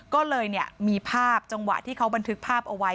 ก็เลยมีภาพจังหวะที่เขาบันทึกภาพเอาไว้